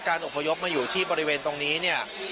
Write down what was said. การอบพยพมาอยู่ที่บริเวณตรงนี้